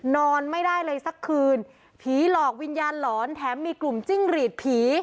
นอนไม่ได้เลยสักคืนผีหลอกวิญญาณหลอนแถมมีกลุ่มจิ้งหรีดผี